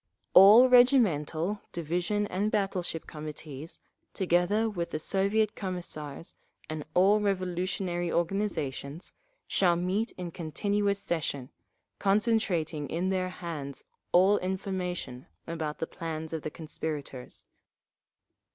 All regimental, division and battle ship Committees, together with the Soviet Commissars, and all revolutionary organisations, shall meet in continuous session, concentrating in their hands all information about the plans of the conspirators.